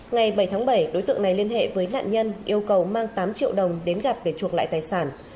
ngày bảy tháng bảy đối tượng này liên hệ với nạn nhân yêu cầu mang tám triệu đồng đến gặp để chuộc lại tài sản